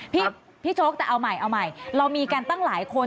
พี่โช๊คแต่เอาใหม่เรามีการตั้งหลายคน